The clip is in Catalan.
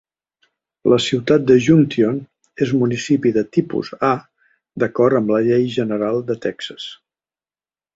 La ciutat de Junction és municipi de Tipus A, d'acord amb la Llei general de Texas.